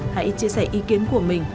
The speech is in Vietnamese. hãy chia sẻ ý kiến của mình